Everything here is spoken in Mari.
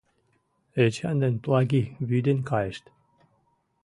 Эчан ден Плагий вӱден кайышт.